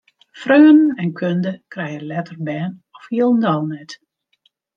Freonen en kunde krije letter bern of hielendal net.